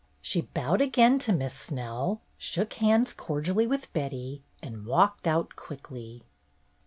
She bowed again to Miss Snell, shook hands cordially with Betty, and walked out quickly.